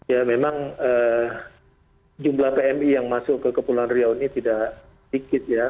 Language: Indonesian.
ya memang jumlah pmi yang masuk ke kepulauan riau ini tidak sedikit ya